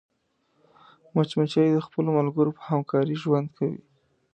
مچمچۍ د خپلو ملګرو په همکارۍ ژوند کوي